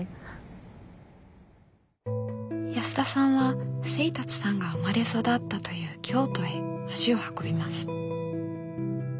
安田さんは清達さんが生まれ育ったという京都へ足を運びます。